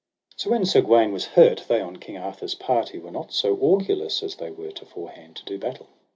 So when Sir Gawaine was hurt, they on King Arthur's party were not so orgulous as they were toforehand to do battle.